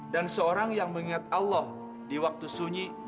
dan seorang yang mengingat allah di waktu sunyi